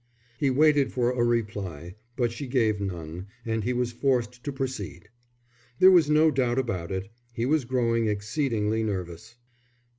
He waited for a reply, but she gave none, and he was forced to proceed. There was no doubt about it, he was growing exceedingly nervous.